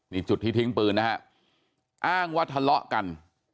นี่จุดที่ทิ้งปืนนะฮะอ้างว่าทะเลาะกัน